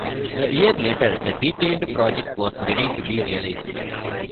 A year later the detailed project was ready to be realized.